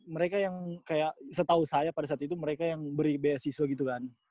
mereka yang kayak setahu saya pada saat itu mereka yang beri beasiswa gitu kan